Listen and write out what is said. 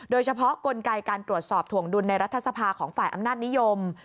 กลไกการตรวจสอบถวงดุลในรัฐสภาของฝ่ายอำนาจนิยม